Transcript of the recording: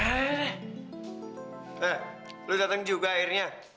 eh lu dateng juga akhirnya